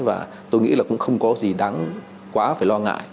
và tôi nghĩ là cũng không có gì đáng quá phải lo ngại